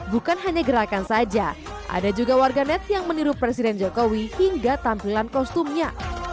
bukan hanya gerakan saja ada juga warganet yang meniru presiden jokowi hingga tampilan kostumnya